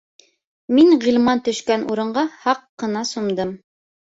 Мин Ғилман төшкән урынға һаҡ ҡына сумдым.